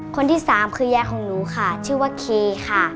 คนที่สามคือยายของหนูค่ะชื่อว่าเคค่ะ